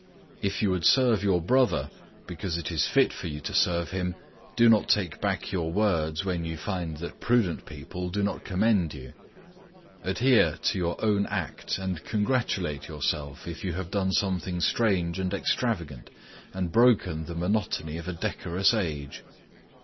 If you would serve your brother, because it is fit for you to serve him, do not take back your words when you find that prudent people do not commend you. Adhere to your own act, and congratulate yourself if you have done something strange and extravagant and broken the monotony of a decorous age.